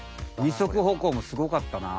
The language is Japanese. ２足歩行もすごかったな。